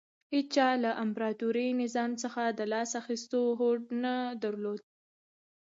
هېچا له امپراتوري نظام څخه د لاس اخیستو هوډ نه درلود